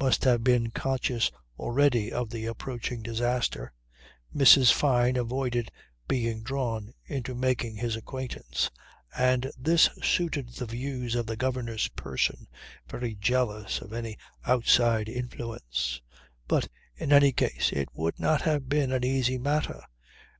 Must have been conscious already of the approaching disaster. Mrs. Fyne avoided being drawn into making his acquaintance, and this suited the views of the governess person, very jealous of any outside influence. But in any case it would not have been an easy matter.